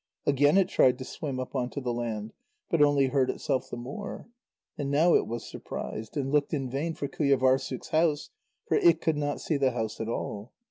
Again it tried to swim up on to the land, but only hurt itself the more. And now it was surprised, and looked in vain for Qujâvârssuk's house, for it could not see the house at all.